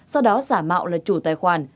sau đó giả mạo là chủ tài khoản